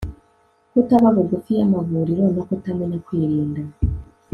kutaba bugufi y'amavuriro no kutamenya kwirinda